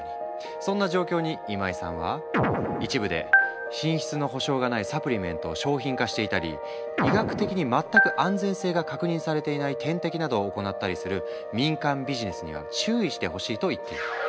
そんな状況に今井さんは一部で品質の保証がないサプリメントを商品化していたり医学的に全く安全性が確認されていない点滴などを行ったりする民間ビジネスには注意してほしいと言っている。